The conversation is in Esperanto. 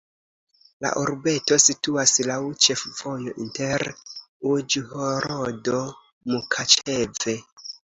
La urbeto situas laŭ ĉefvojo inter Uĵhorodo-Mukaĉeve.